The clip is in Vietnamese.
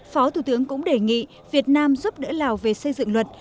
phó thủ tướng cũng đề nghị việt nam giúp đỡ lào về xây dựng luật